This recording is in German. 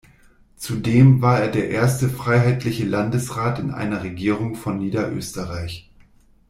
Zudem war er der erste freiheitliche Landesrat in einer Regierung von Niederösterreich.